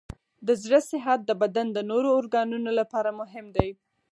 د زړه صحت د بدن د نورو ارګانونو لپاره مهم دی.